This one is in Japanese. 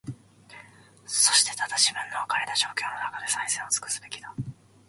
そしてただ、自分の置かれた状況のなかで、最善をつくすべきだ。